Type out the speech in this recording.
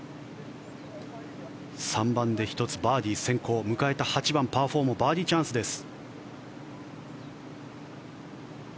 ３番で１つ、バーディー先行迎えた８番、パー４もバーディーチャンスです。